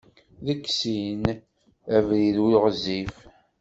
Deg sin abrid ur ɣezzif.